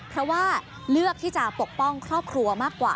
เพราะว่าเลือกที่จะปกป้องครอบครัวมากกว่า